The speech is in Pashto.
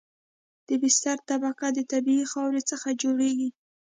د بستر طبقه د طبیعي خاورې څخه جوړیږي